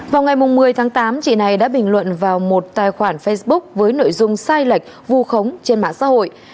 vào ngày một mươi tháng tám chị này đã bình luận vào một tài khoản facebook với nội dung sai lệch vù khống trên mạng xã hội